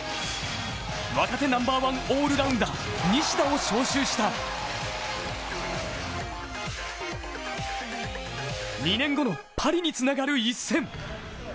若手ナンバーワンオールラウンダー・西田を招集した２年後のパリにつながる一戦。